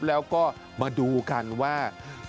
แล้วก็มาดูกันว่า